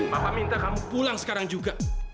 bapak minta kamu pulang sekarang juga